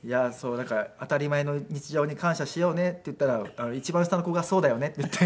だから当たり前の日常に感謝しようねって言ったら一番下の子が「そうだよね」って言って。